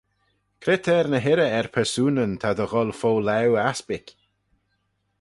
Cre t'er ny hirrey er persoonyn ta dy gholl fo laue aspick?